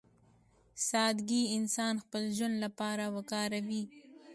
سادهګي انسان خپل ژوند لپاره وکاروي.